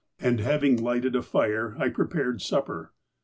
And, having lighted a fire, I prepared supper.